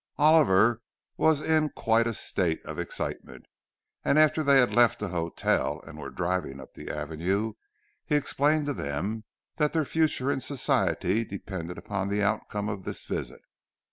Oliver was in quite a state of excitement; and after they had left the hotel, and were driving up the Avenue, he explained to them that their future in Society depended upon the outcome of this visit.